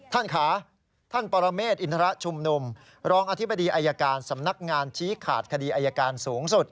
ท่านค่ะท่านปรเมฆอินทรชุมนุมรองอธิบดีอายการสำนักงานชี้ขาดคดีอายการสูงสุด